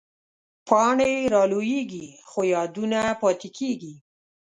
پاڼې رالوېږي، خو یادونه پاتې کېږي